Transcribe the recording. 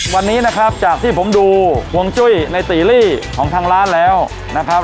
วันนี้นะครับจากที่ผมดูห่วงจุ้ยในตีรี่ของทางร้านแล้วนะครับ